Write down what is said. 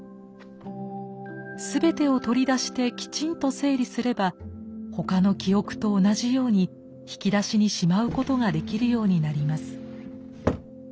全てを取り出してきちんと整理すればほかの記憶と同じように引き出しにしまうことができるようになります。